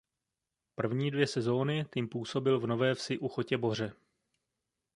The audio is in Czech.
První dvě sezóny tým působil v Nové vsi u Chotěboře.